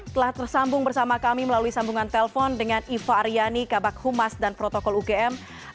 telah tersambung bersama kami melalui sambungan telpon dengan iva aryani kabak humas dan protokol ugm